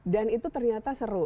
dan itu ternyata seru